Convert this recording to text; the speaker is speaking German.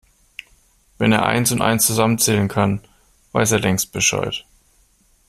Wenn er eins und eins zusammenzählen kann, weiß er längst Bescheid.